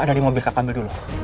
ada di mobil kakak ambil dulu